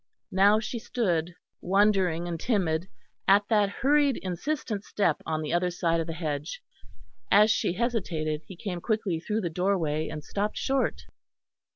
Now she stood, wondering and timid, at that hurried insistent step on the other side of the hedge. As she hesitated, he came quickly through the doorway and stopped short.